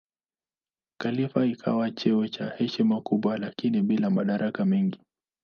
Khalifa ikawa cheo cha heshima kubwa lakini bila madaraka mengi.